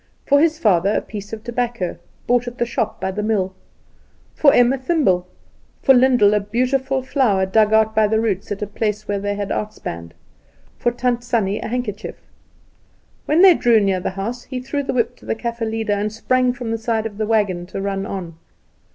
For his father a piece of tobacco, bought at the shop by the mill; for Em a thimble; for Lyndall a beautiful flower dug out by the roots, at a place where they had outspanned; for Tant Sannie a handkerchief. When they drew near the house he threw the whip to the Kaffer leader, and sprung from the side of the wagon to run on.